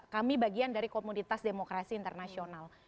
kami bagian dari komunitas demokrasi internasional